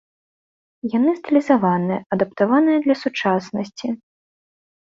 Яны стылізаваныя, адаптаваныя для сучаснасці.